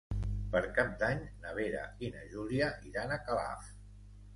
Per Cap d'Any na Vera i na Júlia iran a Calaf.